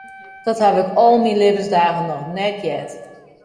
Dat ha ik al myn libbensdagen noch net heard.